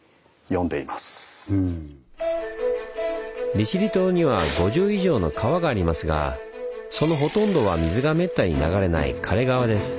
利尻島には５０以上の川がありますがそのほとんどは水がめったに流れない「かれ川」です。